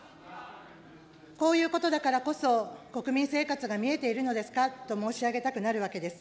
こういうことだからこそ、国民生活が見えているのですかと申し上げたくなるわけです。